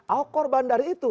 ahok korban dari itu